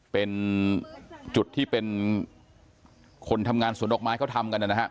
เป็นจุดที่เป็นคนทำงานสวนดอกไม้เขาทำกันนะฮะ